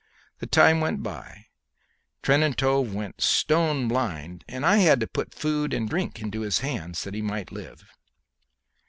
The time went by; Trentanove went stone blind, and I had to put food and drink into his hands that he might live.